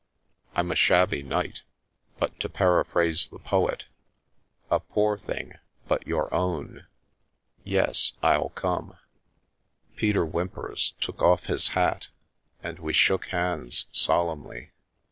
I'm a shabby knight, but, to para phrase the poet, * a poor thing, but your own '!"" Yes, 111 come !" Peter Whymperis took off his hat and we shook hands solemnly.